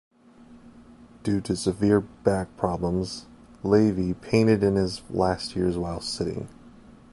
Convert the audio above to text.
Due to severe back problems, Lavie painted in his last years while sitting.